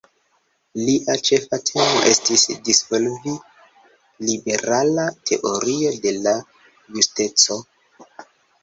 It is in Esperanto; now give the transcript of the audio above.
Lia ĉefa temo estis disvolvi liberala teorio de la justeco.